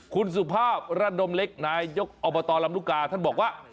คุณสุภาพระดมเล็กนายยกอบตลำลูกกาท่านบอกว่า